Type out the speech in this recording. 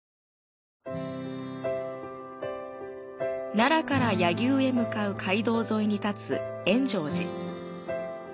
奈良から柳生へ向かう街道沿いに建つ円成寺。